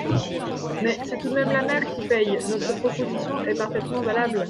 Mais c’est tout de même la mère qui paie ! Notre proposition est parfaitement valable.